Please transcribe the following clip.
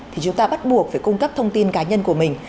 thì chúng ta bắt buộc phải cung cấp thông tin cá nhân của mình